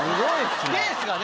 ペースがね。